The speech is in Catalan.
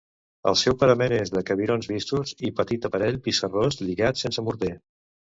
El seu parament és de cabirons vistos i petit aparell pissarrós lligat sense morter.